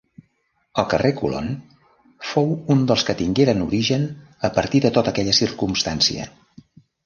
El carrer Colon fou un dels que tingueren origen a partir de tota aquella circumstància.